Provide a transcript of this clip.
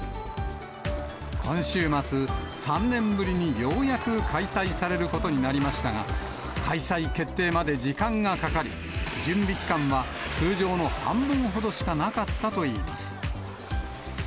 今週末、３年ぶりにようやく開催されることになりましたが、開催決定まで時間がかかり、準備期間は通常の半分ほどしかなかったといいます。